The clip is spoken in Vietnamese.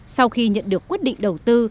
sau khi nhận được quyết định đầu tư